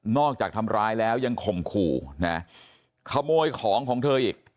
จากทำร้ายแล้วยังข่มขู่นะขโมยของของเธออีก